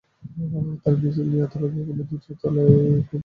তাঁরা মিছিল নিয়ে আদালত ভবনের দ্বিতীয় তলায় মুখ্য মহানগর হাকিমের এজলাসে পৌঁছান।